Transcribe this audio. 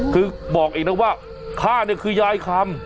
คือบอกเองนะว่าข้าเนี่ยคือยายคำ